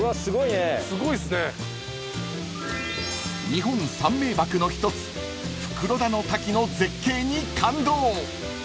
［日本三名瀑の一つ袋田の滝の絶景に感動］